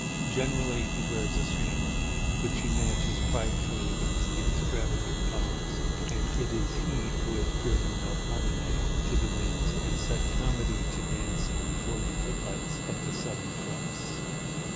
Generally he wears a shamrock, which he matches pridefully against the extravagant palms; and it is he who has driven Melpomene to the wings, and set Comedy to dancing before the footlights of the Southern Cross.